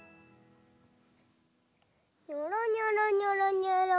にょろにょろにょろにょろ。